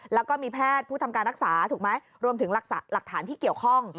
แล้วก็มีแพทย์ผู้ทำการรักษาถูกไหมรวมถึงหลักฐานที่เกี่ยวข้อง